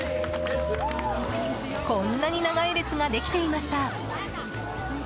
こんなに長い列ができていました。